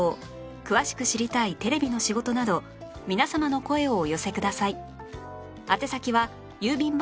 詳しく知りたいテレビの仕事など皆様の声をお寄せください